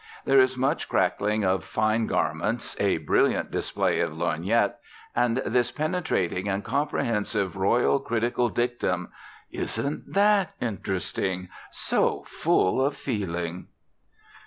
There is much crackling of fine garments, a brilliant display of lorgnette, and this penetrating and comprehensive royal critical dictum: "Isn't that interesting! So full of feeling."